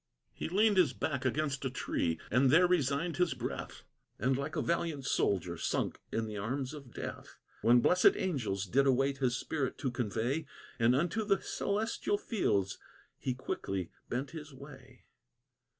He leaned his back against a tree, and there resigned his breath, And like a valiant soldier sunk in the arms of death; When blessed angels did await his spirit to convey, And unto the celestial fields he quickly bent his way.